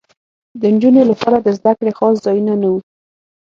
د نجونو لپاره د زدکړې خاص ځایونه نه وو